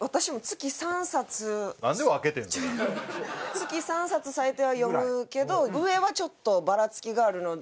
月３冊最低は読むけど上はちょっとバラつきがあるので。